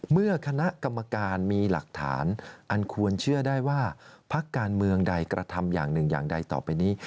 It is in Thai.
เมื่อคณะกรรมการมีหลักฐานอันควรเชื่อได้ว่าพักการเมืองใดกระทำอย่างหนึ่งอย่างใดต่อไปนี้